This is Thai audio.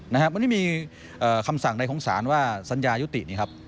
มันไม่มีคำสั่งใดของศาลว่าสัญญายุติ